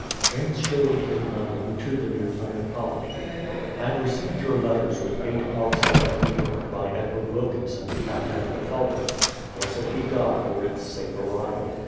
James Sherley in London to the New Plymouth Colony: I have received your letters with eight hogshead of beaver, by Edward Wilkinson, captain of the Falcon. Blessed be God for its safe arrival.